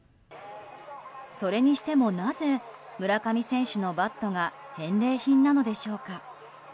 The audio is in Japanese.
それにしてもなぜ、村上選手のバットが返礼品なのでしょうか？